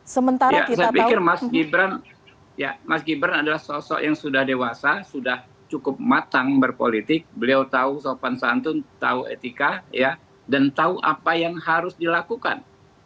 saya pikir mas gibran ya mas gibran adalah sosok yang sudah dewasa sudah cukup matang berpolitik beliau tahu sopan santun tahu etika dan tahu apa yang harus dilakukan